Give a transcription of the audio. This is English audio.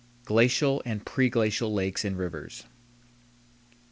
GLACIAL AND PREGLACIAL LAKES AND RIVERS.